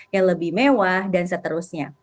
yang lebih mewah dan seterusnya